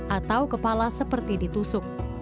atau kepala seperti ditusuk